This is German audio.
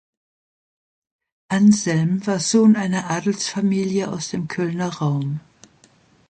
Anselm war Sohn einer Adelsfamilie aus dem Kölner Raum.